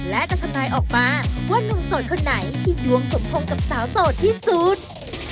และจะทำนายออกมาว่านุ่มโสดคนไหนที่ดวงสมพงษ์กับสาวโสดที่สุด